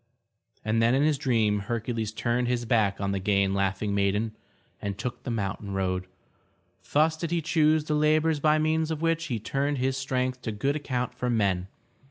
And then in his dream Hercules turned his back on the gay and laughing maiden and took the mountain road. Thus did he choose the labors by means of which he turned his strength to good account for men.